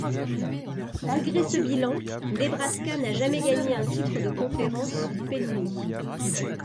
Malgré ce bilan, Nebraska n'a jamais gagné un titre de conférence sous Pelini.